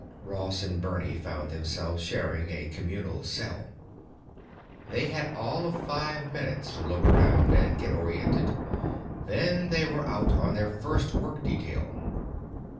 Ross and Bernie found themselves sharing a communal cell. They had all of five minutes to look around and get oriented; then they were out on their first work detail.